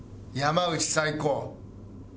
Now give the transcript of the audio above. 「山内最高」。